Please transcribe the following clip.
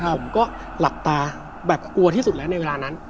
ผมก็หลับตาแบบกลัวที่สุดแล้วในเวลานั้น